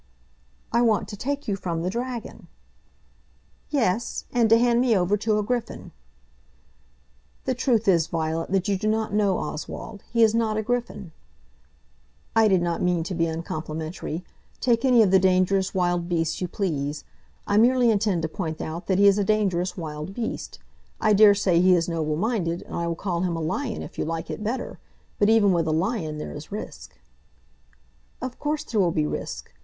"I want to take you from the dragon." "Yes; and to hand me over to a griffin." "The truth is, Violet, that you do not know Oswald. He is not a griffin." "I did not mean to be uncomplimentary. Take any of the dangerous wild beasts you please. I merely intend to point out that he is a dangerous wild beast. I daresay he is noble minded, and I will call him a lion if you like it better. But even with a lion there is risk." "Of course there will be risk.